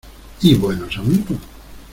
¡ y buenos amigos!...